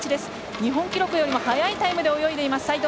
日本記録よりも速いタイムで泳いでいる、齋藤。